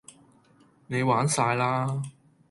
你玩曬啦